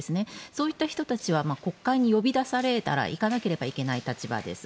そういった人たちは国会に呼び出されたら行かなければいけない立場です。